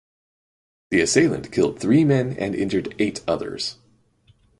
The assailant killed three men and injured eight others.